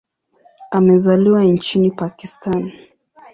Amezaliwa nchini Pakistan.